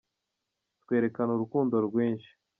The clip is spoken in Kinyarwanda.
twerekana urukundo rwinshi.